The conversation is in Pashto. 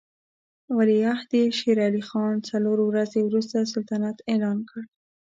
ولیعهد یې شېر علي خان څلور ورځې وروسته سلطنت اعلان کړ.